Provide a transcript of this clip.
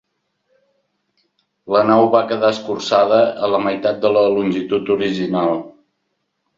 La nau va quedar escurçada a la meitat de la longitud original.